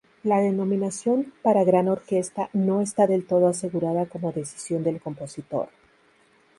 La denominación "para gran orquesta" no está del todo asegurada como decisión del compositor.